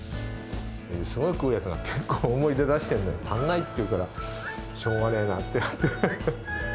すごく食うやつが結構大盛りで出してるのに、足んないって言うから、しょうがねぇなってなって。